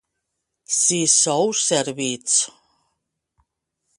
Si sou servits.